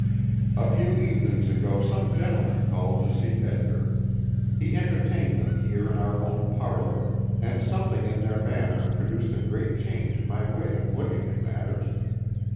] A few evenings ago some gentlemen called to see Edgar. He entertained them here in our own parlor, and something in their manner produced a great change in my way of looking at matters.